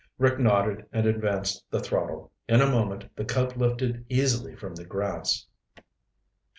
Rick nodded and advanced the throttle. In a moment the Cub lifted easily from the grass.